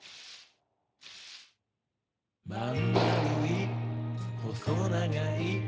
「まんまるい？ほそながい？」